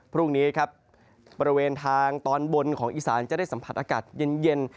พรุ่งนี้ครับบริเวณทางตอนบนของอีสานจะได้สัมผัสอากาศเย็น